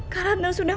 kak ratna sudah